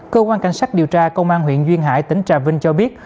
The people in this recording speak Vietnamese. cơ quan cảnh sát điều tra công an huyện duyên hải tỉnh trà vinh cho biết